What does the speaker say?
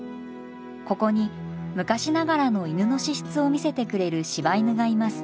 ここに昔ながらの犬の資質を見せてくれる柴犬がいます。